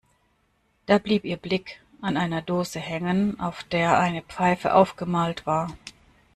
Da blieb ihr Blick an einer Dose hängen, auf der eine Pfeife aufgemalt war.